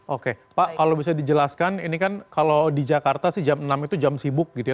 oke pak kalau bisa dijelaskan ini kan kalau di jakarta sih jam enam itu jam sibuk gitu ya